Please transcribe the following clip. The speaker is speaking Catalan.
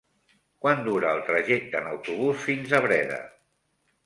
Quant dura el trajecte en autobús fins a Breda?